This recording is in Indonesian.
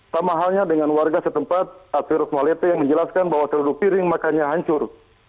sama halnya dengan warga setempat atheros malete yang menjelaskan bahwa seluruh piring makanya hancur